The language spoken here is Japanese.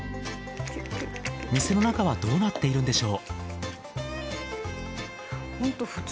店の中はどうなっているんでしょう。